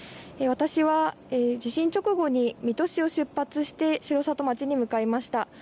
私は地震直後に水戸市を出発して城里町に向かいました。